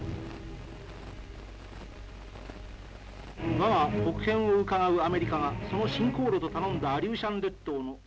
「我が北辺をうかがうアメリカがその新航路と頼んだアリューシャン列島の」。